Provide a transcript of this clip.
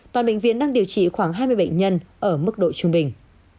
toàn bệnh viện đang điều trị khoảng hai mươi bệnh nhân ở mức độ trung bình